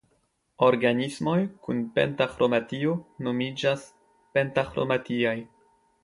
Organismoj kun pentaĥromatio nomiĝas "pentaĥromatiaj".